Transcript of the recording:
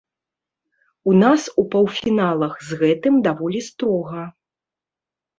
У нас у паўфіналах з гэтым даволі строга.